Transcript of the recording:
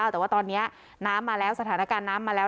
แต่ว่าตอนนี้น้ำมาแล้วสถานการณ์น้ำมาแล้ว